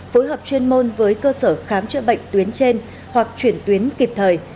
phối hợp chuyên môn với cơ sở khám chữa bệnh tuyến trên hoặc chuyển tuyến kịp thời